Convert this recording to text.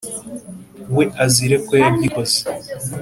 we azire ko yagikoze,